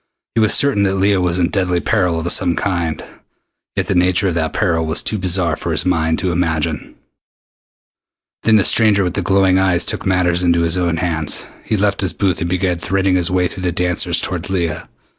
He was certain that Leah was in deadly peril of some kind, yet the nature of that peril was too bizarre for his mind to imagine. Then the stranger with the glowing eyes took matters into his own hands. He left his booth and began threading his way through the dancers toward Leah.